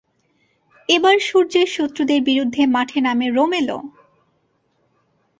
এবার সূর্যের শত্রুদের বিরুদ্ধে মাঠে নামে রোমেলও।